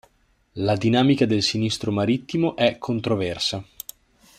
La dinamica del sinistro marittimo è controversa.